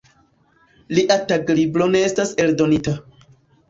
Lia taglibro ne estas eldonita.